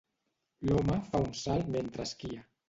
L'home fa un salt mentre esquia.